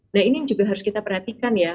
nah ini yang juga harus kita perhatikan ya